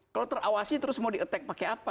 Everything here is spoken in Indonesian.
kalau terawasi terus mau di attack pakai apa